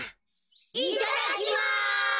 いただきます。